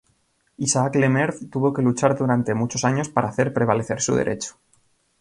Isaac le Maire tuvo que luchar durante muchos años para hacer prevalecer su derecho.